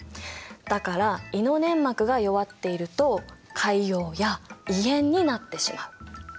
だから胃の粘膜が弱っていると潰瘍や胃炎になってしまう。